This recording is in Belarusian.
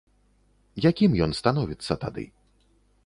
Якім ён становіцца тады?